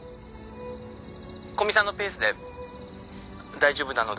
古見さんのペースで大丈夫なので。